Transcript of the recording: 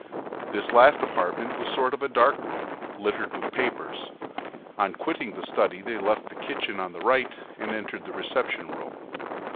This last apartment was a sort of dark room, littered with papers. On quitting the study they left the kitchen on the right, and entered the reception room.